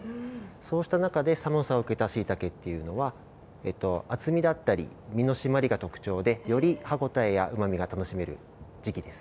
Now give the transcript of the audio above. そうした中で、寒さを受けたしいたけというのは、厚みがあったり、みの締まりが特徴でより歯応えやうまみが楽しめる時期です。